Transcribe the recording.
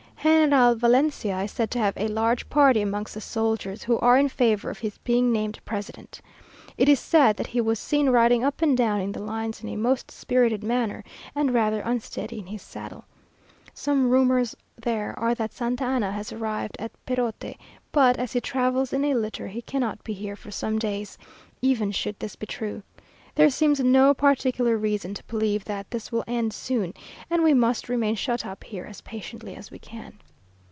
General Valencia is said to have a large party amongst the soldiers, who are in favour of his being named president. It is said that he was seen riding up and down in the lines in a most spirited manner, and rather unsteady in his saddle. Some rumours there are that Santa Anna has arrived at Perote; but, as he travels in a litter, he cannot be here for some days, even should this be true. There seems no particular reason to believe that this will end soon, and we must remain shut up here as patiently as we can.